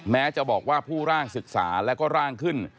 แม้จะบอกว่าผู้ร่างศึกษาแล้วก็ร่างขึ้น